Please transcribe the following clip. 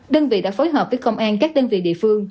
đơn vị đã phối hợp với công an các đơn vị địa phương